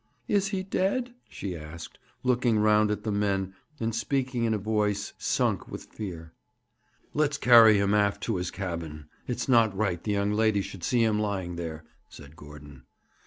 'Is he dead?' she asked, looking round at the men, and speaking in a voice sunk with fear. 'Let's carry him aft to his cabin. It's not right the young lady should see him lying there,' said Gordon.